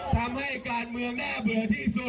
ทำให้การเมืองน่าเบื่อที่สุด